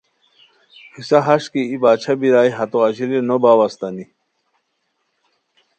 قصہ ہݰ کی ای باچھا بیرائے ہتو اژیلی نو باؤ اسیتانی